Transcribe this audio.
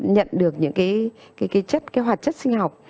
nhận được những cái hoạt chất sinh học